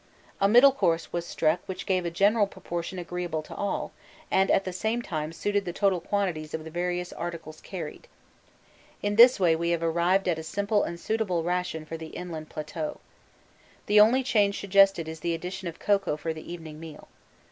A middle course was struck which gave a general proportion agreeable to all, and at the same time suited the total quantities of the various articles carried. In this way we have arrived at a simple and suitable ration for the inland plateau. The only change suggested is the addition of cocoa for the evening meal.